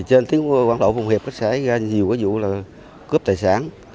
trên tiếng quảng lộ phụng hiệp có xảy ra nhiều cái vụ là cướp tài sản